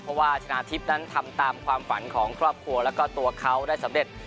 เพราะว่าชนะทิพย์นั้นทำตามความฝันของครอบครัวแล้วก็ตัวเขาได้สำเร็จ